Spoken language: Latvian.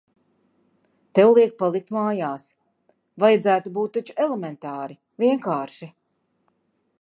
Tev liek palikt mājās. Vajadzētu būt taču elementāri, vienkārši?